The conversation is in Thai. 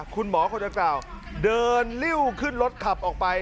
คุณหมอคนดังกล่าวเดินริ้วขึ้นรถขับออกไป